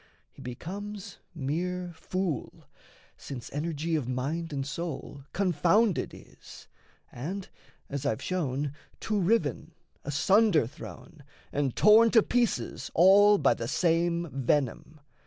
He becomes Mere fool, since energy of mind and soul Confounded is, and, as I've shown, to riven, Asunder thrown, and torn to pieces all By the same venom.